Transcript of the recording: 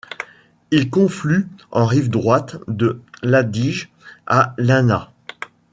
Il conflue en rive droite de l'Adige à Lana.